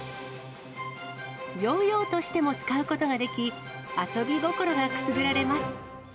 ヨーヨーとしても使うことができ、遊び心がくすぐられます。